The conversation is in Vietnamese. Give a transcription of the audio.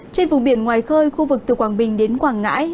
trên vùng biển ngoài khơi khu vực từ quảng bình đến quảng ngãi